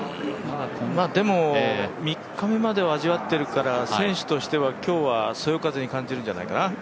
でも、３日目まで味わっているから、選手としては今日はそよ風に感じるんじゃないかな。